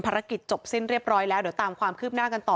จบสิ้นเรียบร้อยแล้วเดี๋ยวตามความคืบหน้ากันต่อ